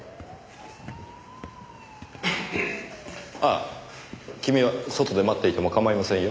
ああ君は外で待っていても構いませんよ。